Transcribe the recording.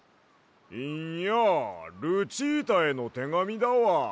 いんやルチータへのてがみだわ。